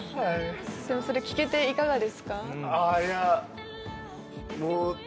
それ聞けていかがですか？